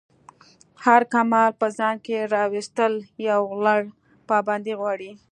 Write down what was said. هر کمال په ځان کی راویستل یو لَړ پابندی غواړی.